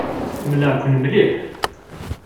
Ḥemmleɣ-ken mliḥ.